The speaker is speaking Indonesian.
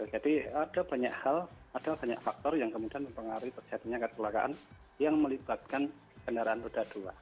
jadi ada banyak hal ada banyak faktor yang kemudian mempengaruhi kecelakaan yang melibatkan kendaraan roda dua